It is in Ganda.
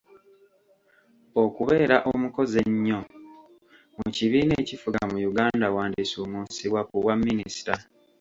Okubeera omukozi ennyo mu kibiina ekifuga mu Uganda wandisuumuusibwa ku bwa Minisita.